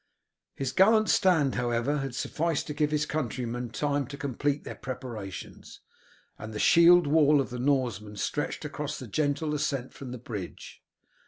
His gallant stand, however, had sufficed to give his countrymen time to complete their preparations, and the shield wall of the Norsemen stretched across the gentle ascent from the bridge.